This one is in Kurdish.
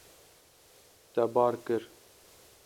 Te bar kir.